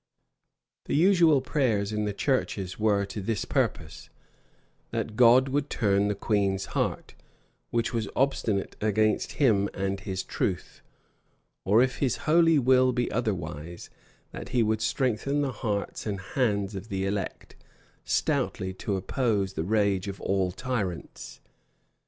[]* Knox, p. 287. Knox, p. 284, 285, 287. Spotswood, p. 179. The usual prayers in the churches were to this purpose: that God would turn the queen's heart, which was obstinate against him and his truth; or if his holy will be otherwise, that he would strengthen the hearts and hands of the elect, stoutly to oppose the rage of all tyrants.